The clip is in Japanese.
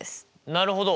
なるほど。